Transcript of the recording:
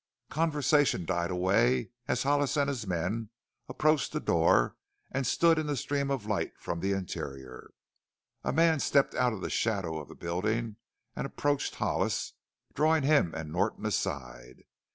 Conversation died away as Hollis and his men approached the door and stood in the stream of light from the interior. A man stepped out of the shadow of the building and approached Hollis, drawing him and Norton aside.